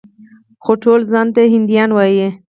خو ټول ځان ته هندیان وايي.